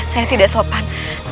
saya tidak sopan